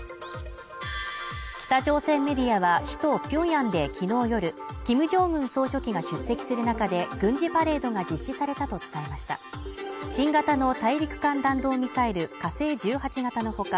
北朝鮮メディアは首都ピョンヤンで昨日夜キム・ジョンウン総書記が出席する中で軍事パレードが実施されたと伝えました新型の大陸間弾道ミサイル火星１８型のほか